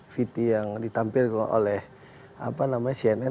viti yang ditampilkan oleh apa namanya cnn